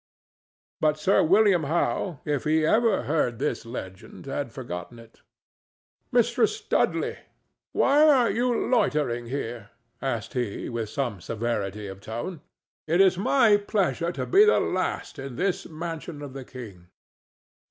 But Sir William Howe, if he ever heard this legend, had forgotten it. "Mistress Dudley, why are you loitering here?" asked he, with some severity of tone. "It is my pleasure to be the last in this mansion of the king."